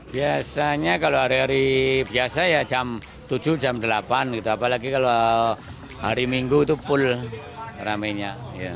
biasanya kalau hari hari biasa ya jam tujuh jam delapan gitu apalagi kalau hari minggu itu pul rame nya